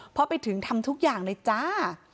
พอไปถึงทำทุกอย่างเลยจ้า